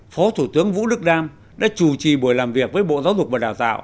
phó thủ tướng vũ đức đam đã chủ trì buổi làm việc với bộ giáo dục và đào tạo